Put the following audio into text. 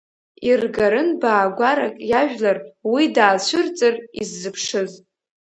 Иргарын баагәарак иажәлар, уи даацәырҵыр, иззыԥшыз.